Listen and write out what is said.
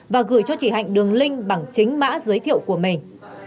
và gửi cho chị hạnh đường link bằng chính mã giới thiệu của mình